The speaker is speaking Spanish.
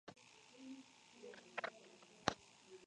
Kuwait Culture site.